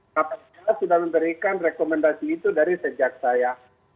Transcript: kapten jela sudah memberikan rekomendasi itu dari sejak saya